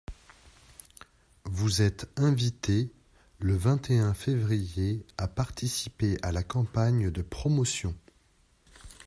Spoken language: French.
Vous êtes invités le vingt et un février à participer à la campagne de promotion.